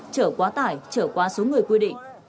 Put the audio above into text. chở quá tải chở quá số người quy định